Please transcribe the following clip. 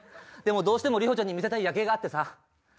でもどうしてもリホちゃんに見せたい夜景があってさ。